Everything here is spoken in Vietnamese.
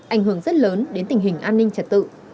ảnh hưởng rất lớn đến tình hình an ninh trật tự